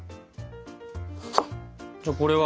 じゃあこれは？